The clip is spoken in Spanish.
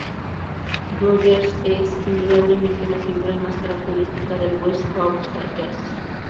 Rogers es, indudablemente, la figura más característica del West Coast jazz.